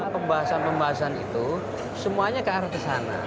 pembahasan pembahasan itu semuanya ke arah kesana